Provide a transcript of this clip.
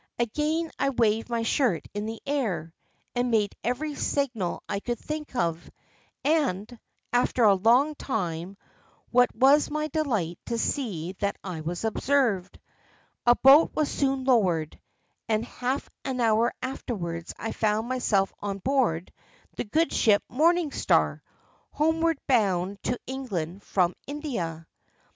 Again I waved my shirt in the air, and made every signal I could think of, and, after a long time, what was my delight to see that I was observed. A boat was soon lowered, and half an hour afterwards I found myself on board the good ship Morning Star, homeward bound to England from India.